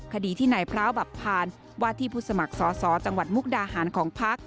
คดีที่นายพร้าวบับพานว่าที่ผู้สมัครสอสอจังหวัดมุกดาหารของพัก